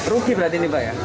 rugi berarti ini pak ya